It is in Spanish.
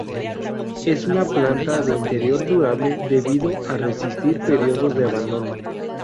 Es una planta de interior durable debido a resistir periodos de abandono.